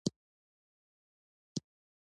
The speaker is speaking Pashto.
دغه ټول ذهني مريضان دي